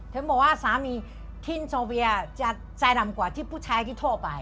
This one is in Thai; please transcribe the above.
ถึงบอกว่าสามีคินโซเวียจะใจดำกว่าที่ผู้ชายที่โทรไป